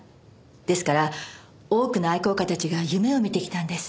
ですから多くの愛好家たちが夢を見てきたんです。